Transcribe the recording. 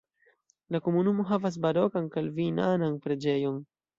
La komunumo havas barokan kalvinanan preĝejon.